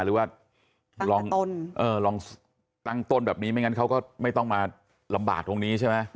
หรือว่าลองตั้งต้นแบบนี้ไม่งั้นเขาก็ไม่ต้องมาลำบากตรงนี้ใช่ไหม